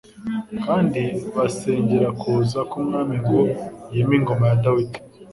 kandi basengera kuza k'Umwami ngo yime ingoma ya Dawidi